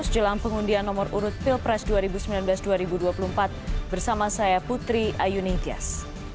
jelang pengundian nomor urut pilpres dua ribu sembilan belas dua ribu dua puluh empat bersama saya putri ayu nitias